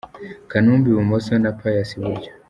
Kanumba i Bumoso na Pius i Buryo.